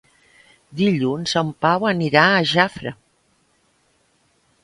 Dilluns en Pau anirà a Jafre.